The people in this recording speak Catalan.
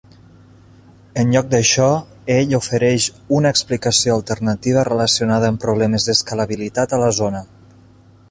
En lloc d'això, ell ofereix una explicació alternativa relacionada amb problemes d'escalabilitat a la zona.